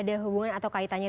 ada hubungan atau kaitannya